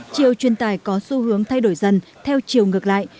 chiều truyền tài có xu hướng thay đổi dần theo chiều ngược lại